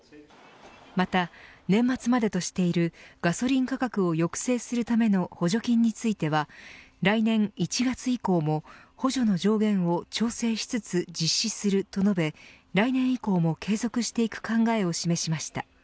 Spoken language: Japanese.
また、年末までとしているガソリン価格を抑制するための補助金については来年１月以降も補助の上限を調整しつつ実施すると述べ来年以降も継続していく考えを示しました。